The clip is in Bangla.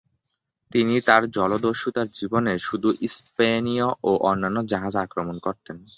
তিনি তার জলদস্যুতার জীবনে শুধু স্প্যানীয় ও অন্যান্য জাহাজ আক্রমণ করতেন।